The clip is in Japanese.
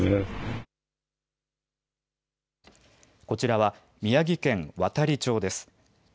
こちらは宮城県亘理町です。